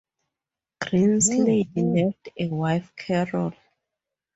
Greenslade left a wife, Carol.